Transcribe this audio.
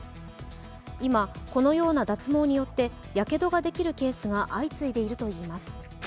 今、このような脱毛によってやけどができるケースが相次いでいるといいます。